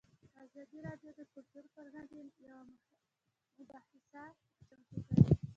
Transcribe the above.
ازادي راډیو د کلتور پر وړاندې یوه مباحثه چمتو کړې.